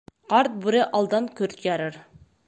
Ҡарт бүре алдан көрт ярыр.